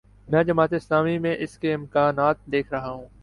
میں جماعت اسلامی میں اس کے امکانات دیکھ رہا ہوں۔